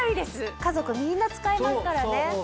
家族みんな使えますからね。